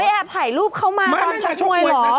แอบถ่ายรูปเขามาตอนชักชวนเหรอ